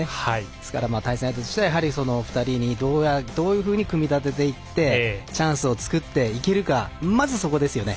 なので、対戦相手としてはその２人にどういうふうに組み立てていってチャンスを作っていけるかまずそこですよね。